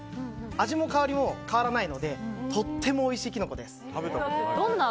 味も香りも変わらないのでとてもおいしいキノコです。